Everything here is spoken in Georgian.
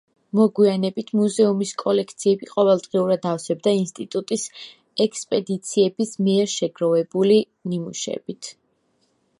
მოგვიანებით მუზეუმის კოლექციები ყოველდღიურად ავსებდა ინსტიტუტის ექსპედიციების მიერ შეგროვებული ნიმუშებით.